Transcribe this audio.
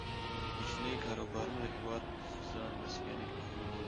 کوچني کاروبارونه د هیواد په ځان بسیاینه کې مهم دي.